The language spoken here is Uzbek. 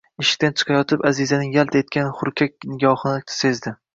Eshikdan chiqayotib, Аzizaning yalt etgan hurkak nigohini sezdi.